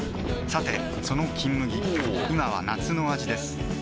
さてその「金麦」今は夏の味ですおぉ！